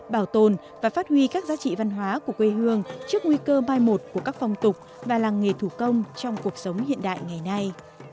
bảo tồn và phát huy các giá trị văn hóa của quê hương trước nguy cơ mai một của các phong tục và làng nghề thủ công trong cuộc sống hiện đại ngày nay